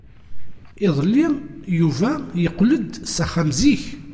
Iḍelli, Yuba yeqqel-d s axxam zik.